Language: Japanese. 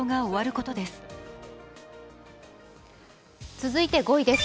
続いて５位です。